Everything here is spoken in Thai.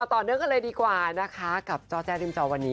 ต่อเนื่องกันเลยดีกว่านะคะกับจอแจ้ริมจอวันนี้